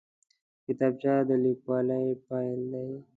کتابچه د لیکوالۍ پیل دی